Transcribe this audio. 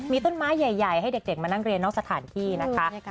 มีต้นไม้ใหญ่ให้เด็กมานั่งเรียนนอกสถานที่นะคะ